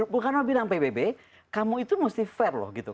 bung karno bilang pbb kamu itu mesti fair loh gitu